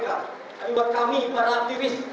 tapi buat kami para aktivis